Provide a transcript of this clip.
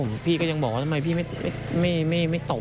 ผมพี่ก็ยังบอกว่าทำไมพี่ไม่ตบ